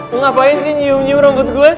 lu ngapain sih nyium nyium rambut gue